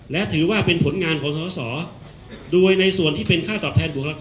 และถือว่าเป็นผลงานของสอสอโดยในส่วนที่เป็นค่าตอบแทนบวกราคา